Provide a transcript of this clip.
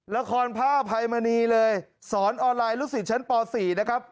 ละครผ้าอภัยมณีเลยสอนออนไลน์ลูกศิษย์ชั้นป๔นะครับ